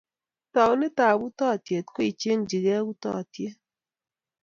Taunetap utaatyet ko icheeng'jigei utaatyet.